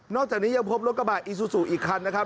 นอกจากนี้ยังพบรถกระบาดอิซูสุอีกครั้งนะครับ